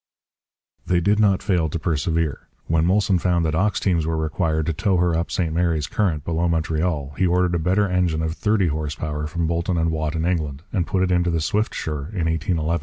They did not fail to persevere. When Molson found that ox teams were required to tow her up St Mary's Current, below Montreal, he ordered a better engine of thirty horse power from Boulton and Watt in England, and put it into the Swiftsure in 1811.